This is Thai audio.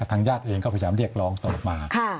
ทางญาติเองก็พยายามเรียกร้องต่อมา